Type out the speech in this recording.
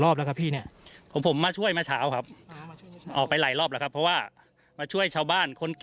ออกไปออกไปข้างหน้า